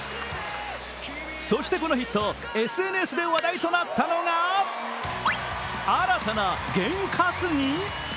そしてこのヒット、ＳＮＳで話題となったのが新たな験担ぎ？